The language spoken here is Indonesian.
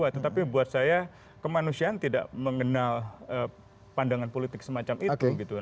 tetapi buat saya kemanusiaan tidak mengenal pandangan politik semacam itu